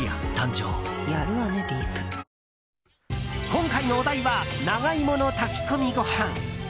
今回のお題は長イモの炊き込みご飯。